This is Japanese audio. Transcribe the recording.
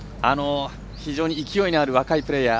非常に勢いのある若いプレーヤー。